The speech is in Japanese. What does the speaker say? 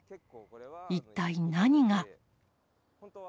一体何が。